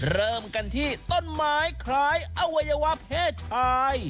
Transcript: เริ่มกันที่ต้นไม้คล้ายอวัยวะเพศชาย